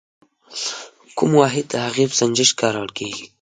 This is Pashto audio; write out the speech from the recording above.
کوم واحد د هغې په سنجش کې کارول کیږي؟